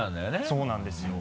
そうなんですよ。